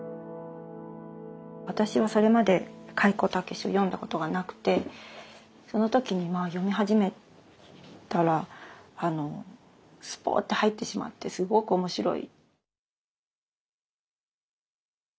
私はそれまで開高健を読んだことがなくてその時にまあ読み始めたらスポッと入ってしまってすごく面白い。